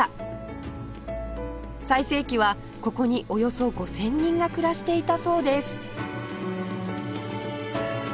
最盛期はここにおよそ５０００人が暮らしていたそうです